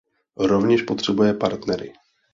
Rovněž potřebujeme partnery.